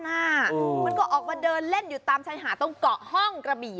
มันก็ออกมาเดินเล่นอยู่ตามชายหาดตรงเกาะห้องกระบี่